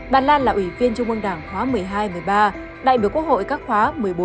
bà lan là ủy viên trung ương đảng khóa một mươi hai một mươi ba đại biểu quốc hội các khóa một mươi bốn một mươi năm